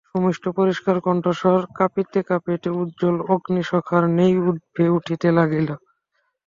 সুমিষ্ট পরিষ্কার কণ্ঠস্বর কাঁপিতে কাঁপিতে উজ্জ্বল অগ্নিশিখার ন্যায় ঊর্ধ্বে উঠিতে লাগিল।